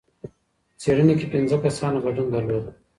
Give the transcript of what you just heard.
څېړنې کې پنځه کسانو ګډون درلود.